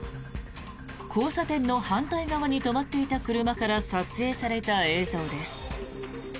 交差点の反対側に止まっていた車から撮影された映像です。